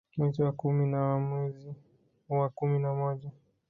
Mwezi wa kumi na wa mwezi wa kumi na moja